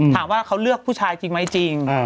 ถามว่าเขาเลือกผู้ชายจริงไหมจริง